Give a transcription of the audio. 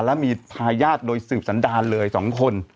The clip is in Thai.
แล้วมีภรรยาดโดยสืบสันดาลเลยสองคน